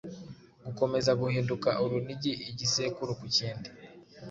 Gukomeza guhinduka urunigi, Igisekuru ku kindi,